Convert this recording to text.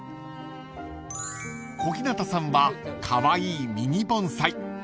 ［小日向さんはカワイイミニ盆栽］